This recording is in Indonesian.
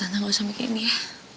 tapi tante gak usah mikirin dia